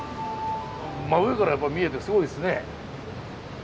真上から見えてすごいですね。